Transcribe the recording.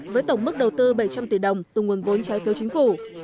với tổng mức đầu tư bảy trăm linh tỷ đồng từ nguồn vốn trái phiếu chính phủ